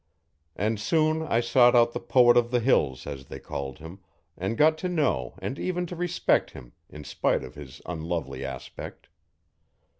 And soon I sought out the 'poet of the hills,' as they called him, and got to know and even to respect him in spite of his unlovely aspect.